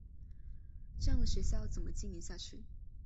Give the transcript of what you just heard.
这样的学校要怎么经营下去？